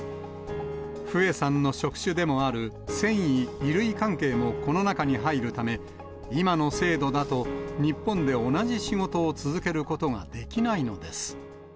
フエさんの職種でもある繊維・衣類関係もこの中に入るため、今の制度だと日本で同じ仕事を続けることができないのです。